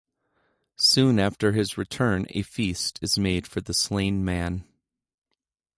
Soon after his return a feast is made for the slain man.